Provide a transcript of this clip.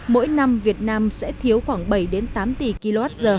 mỗi năm việt nam sẽ thiếu khoảng bảy tám tỷ kwh